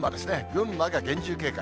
群馬が厳重警戒。